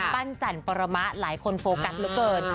ปั้นจันปรมาหลายคนโฟกัสแล้วเกิด